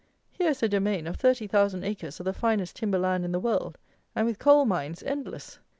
Here is a domain of thirty thousand acres of the finest timber land in the world, and with coal mines endless!